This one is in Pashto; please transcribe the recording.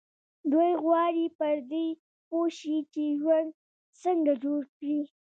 دوی غواړي پر دې پوه شي چې ژوند څنګه جوړ کړي.